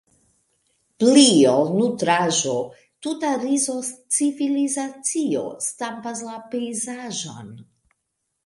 Pli ol nutraĵo, tuta rizo-civilizacio stampas la pejzaĝon.